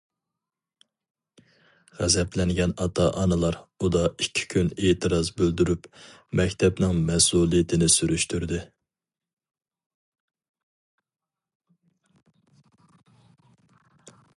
غەزەپلەنگەن ئاتا- ئانىلار ئۇدا ئىككى كۈن ئېتىراز بىلدۈرۈپ، مەكتەپنىڭ مەسئۇلىيىتىنى سۈرۈشتۈردى.